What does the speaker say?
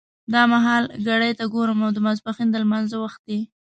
دا مهال ګړۍ ته ګورم او د ماسپښین د لمانځه وخت دی.